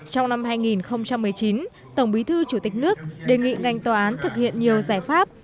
trong năm hai nghìn một mươi chín tổng bí thư chủ tịch nước đề nghị ngành tòa án thực hiện nhiều giải pháp